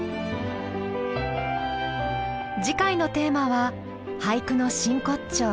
次回のテーマは俳句の真骨頂